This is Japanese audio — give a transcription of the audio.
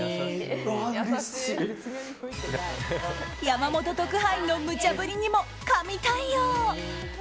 山本特派員のむちゃ振りにも神対応。